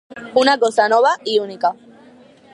Una cosa nova i única.